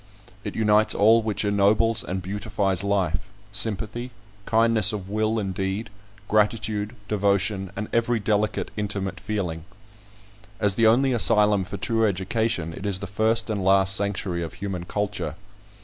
It unites all which ennobles and beautifies life, sympathy, kindness of will and deed, gratitude, devotion, and every delicate, intimate feeling. As the only asylum for true education, it is the first and last sanctuary of human culture.